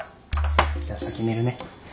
じゃあ先寝るね。